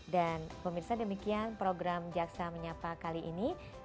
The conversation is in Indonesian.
dan pemirsa demikian program jaksa menyapa kali ini